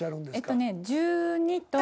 えっとね１２と。